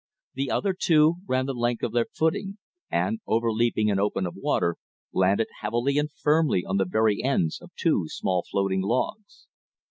The other two ran the length of their footing, and, overleaping an open of water, landed heavily and firmly on the very ends of two small floating logs.